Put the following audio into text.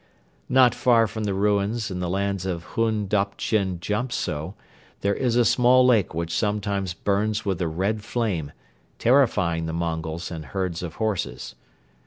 Not far from the ruins in the lands of Hun Doptchin Djamtso there is a small lake which sometimes burns with a red flame, terrifying the Mongols and herds of horses.